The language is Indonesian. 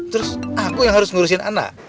terus aku yang harus ngurusin anak